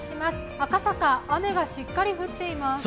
赤坂、雨がしっかり降っています。